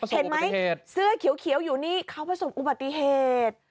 เห็นไหมเสื้อเขียวอยู่นี่เขาประสบอุบัติเหตุ